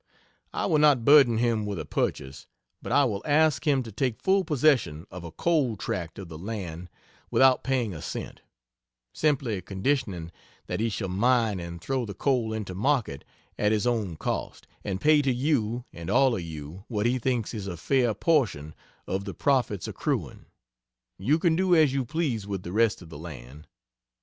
I will not burden him with a purchase but I will ask him to take full possession of a coal tract of the land without paying a cent, simply conditioning that he shall mine and throw the coal into market at his own cost, and pay to you and all of you what he thinks is a fair portion of the profits accruing you can do as you please with the rest of the land.